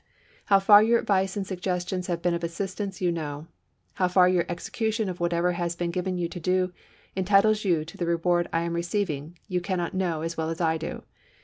How far your advice and suggestions have been of assistance you know. How far your execution of whatever has been given you to do entitles you to the reward I am receiving you can not know as well as I do.